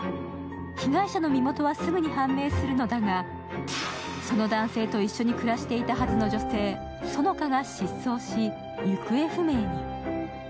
被害者の身元はすぐに判明するのだがその男性と一緒に暮らしていたはずの女性・園香が失踪し行方不明に。